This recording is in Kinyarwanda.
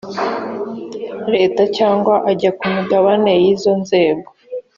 leta cyangwa ajya ku migabane y izo nzego